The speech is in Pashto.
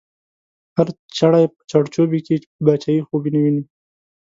هر چړی په چړچوبۍ کی، باچایې خوبونه وینې